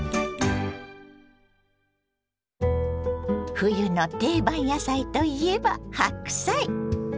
冬の定番野菜といえば白菜！